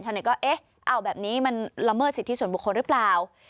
เน็ตก็เอ๊ะเอาแบบนี้มันละเมิดสิทธิส่วนบุคคลหรือเปล่า